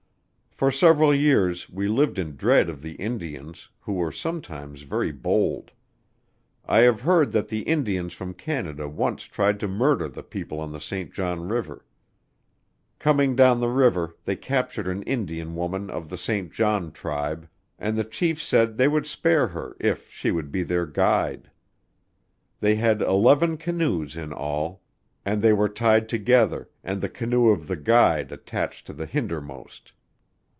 For several years we lived in dread of the Indians, who were sometimes very bold. I have heard that the Indians from Canada once tried to murder the people on the St. John River. Coming down the river they captured an Indian woman of the St. John tribe, and the chief said they would spare her if she would be their guide. They had eleven canoes in all, and they were tied together and the canoe of the guide attached to the hindermost.